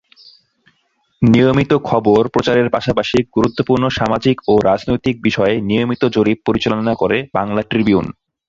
নিয়মিত খবর প্রচারের পাশাপাশি গুরুত্বপূর্ণ সামাজিক ও রাজনৈতিক বিষয়ে নিয়মিত জরিপ পরিচালনা করে বাংলা ট্রিবিউন।